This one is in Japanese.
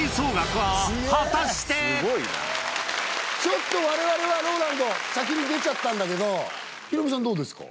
ちょっと、われわれはＲＯＬＡＮＤ、先に出ちゃったんだけど、ヒロミさんどうですか？